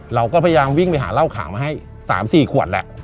เราก็พยายามวิ่งไปหาเหล้าขาวมาให้๓๔ขวดแหละ